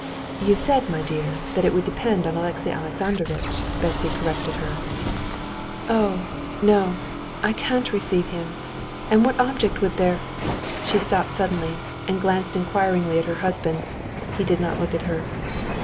"You said, my dear, that it would depend on Alexey Alexandrovitch," Betsy corrected her. "Oh, no, I can't receive him; and what object would there...." She stopped suddenly, and glanced inquiringly at her husband (he did not look at her).